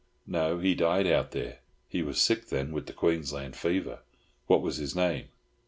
"No, he died out there. He was sick then, wid the Queensland fever." "What was his name?"